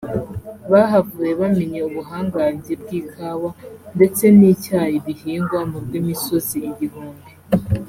bahavuye bamenye ubuhangange bw’Ikawa ndetse n’Icyayi bihingwa mu rw’imisozi igihumbi